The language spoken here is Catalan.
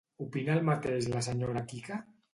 Opina el mateix la senyora Quica?